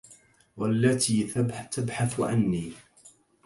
والتي تبحث عني